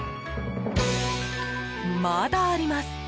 まだあります